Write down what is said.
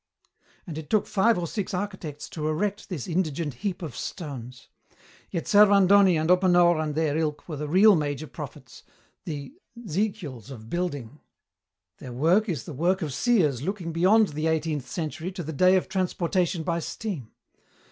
"And it took five or six architects to erect this indigent heap of stones. Yet Servandoni and Oppenord and their ilk were the real major prophets, the ... zekiels of building. Their work is the work of seers looking beyond the eighteenth century to the day of transportation by steam.